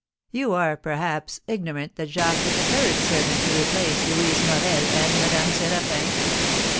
You are, perhaps, ignorant that Jacques took a third servant, to replace Louise Morel and Madame Séraphin?